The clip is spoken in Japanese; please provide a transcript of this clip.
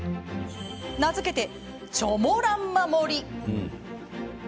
名付けて、チョモランマ盛り。